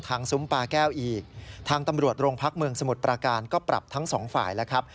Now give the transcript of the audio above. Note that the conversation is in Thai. ทางตำรวจโรงพักเมืองสมุดประการก็ปรับทั้งสองฝ่ายแล้วครับ